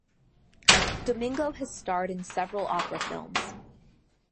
Domingo has starred in several opera films.